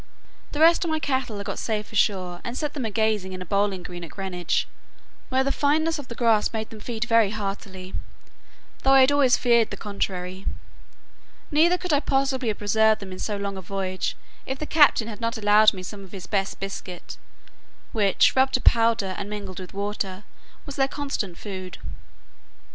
The rest of my cattle I got safe ashore, and set them a grazing in a bowling green at Greenwich, where the fineness of the grass made them feed very heartily, though I had always feared the contrary: neither could I possibly have preserved them in so long a voyage, if the captain had not allowed me some of his best biscuit, which, rubbed to powder, and mingled with water, was their constant food.